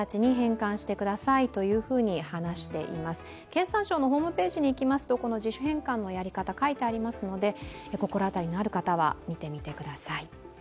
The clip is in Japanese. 経産省のホームページに行きますと自主返還にやり方が書いてありますので心当たりのある方は見てみてください。